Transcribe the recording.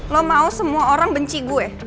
lo mau semua orang benci gue